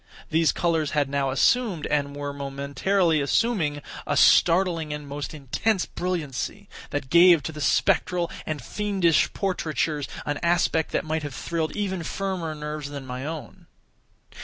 These colors had now assumed, and were momentarily assuming, a startling and most intense brilliancy, that gave to the spectral and fiendish portraitures an aspect that might have thrilled even firmer nerves than my own.